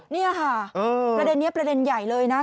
นี่ค่ะประเด็นนี้ประเด็นใหญ่เลยนะ